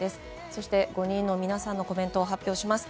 そして５人の皆さんのコメントを発表します。